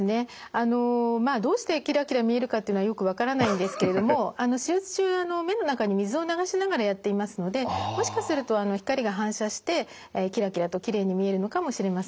あのどうしてキラキラ見えるかっていうのはよく分からないんですけれども手術中の目の中に水を流しながらやっていますのでもしかすると光が反射してキラキラときれいに見えるのかもしれません。